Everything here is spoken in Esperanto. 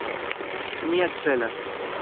Mi akcelas.